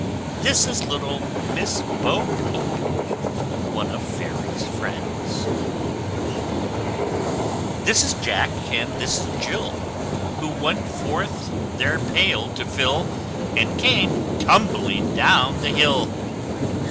This is little Miss Bo Peep ONE OF FAIRY'S FRIENDS. This is Jack, and this is Jill, Who went forth their pail to fill, And came tumbling down the hill!